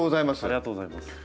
ありがとうございます。